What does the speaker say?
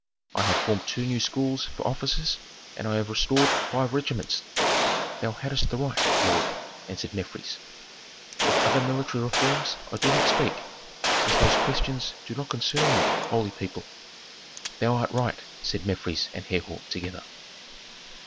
I have formed two new schools for officers and I have restored five regiments." "Thou hadst the right, lord," answered Mefres. "Of other military reforms I do not speak, since those questions do not concern you, holy people." "Thou art right," said Mefres and Herhor together.